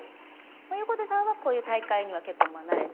横手さんはこういう大会には結構慣れてらっしゃる。